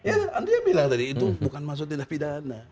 ya dia bilang tadi itu bukan masuk tindak pidana